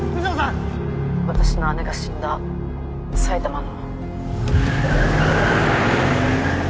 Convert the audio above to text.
私の姉が死んだ埼玉の。